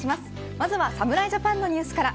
まずは侍ジャパンのニュースから。